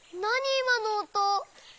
いまのおと。